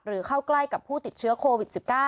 เข้าใกล้กับผู้ติดเชื้อโควิด๑๙